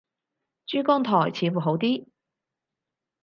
珠江台似乎好啲